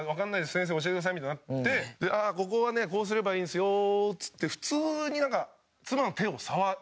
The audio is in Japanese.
「先生教えてください」みたいになって「ああここはねこうすればいいんですよ」っつって普通になんか妻の手を触りだして。